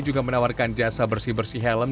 juga menawarkan jasa bersih bersih helm